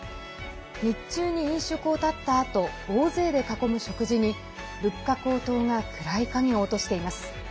日中に飲食を絶ったあと大勢で囲む食事に物価高騰が暗い影を落としています。